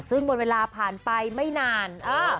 ซึ่งบนเวลาผ่านไปไม่นาน